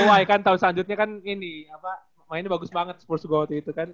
ada ke dua ya kan tahun selanjutnya kan ini apa mainnya bagus banget spurs gue waktu itu kan